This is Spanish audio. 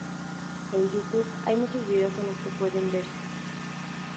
En YouTube hay muchos videos en los que pueden verse.